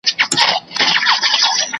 راشد خټک